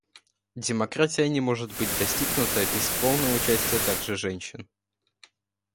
Демократия не может быть достигнута без полного участия также женщин.